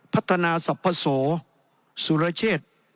พัฒนาสรรพโสสุรเชษ